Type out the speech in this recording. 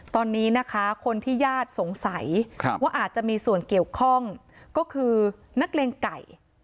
ตอนนี้นะคะคนที่ญาติสงสัยว่าอาจจะมีส่วนเกี่ยวข้องก็คือนักเลงไก่